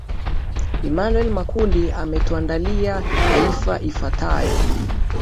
emanuel makundi ametuandalia taifa ifuatayo